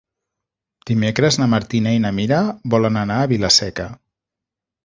Dimecres na Martina i na Mira volen anar a Vila-seca.